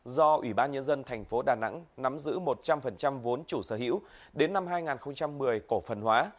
do ủy ban nhân dân thành phố đà nẵng nắm giữ một trăm linh vốn chủ sở hữu đến năm hai nghìn một mươi cổ phần hóa